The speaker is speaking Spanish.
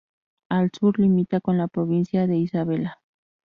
Al sur, limita con la provincia de Isabela.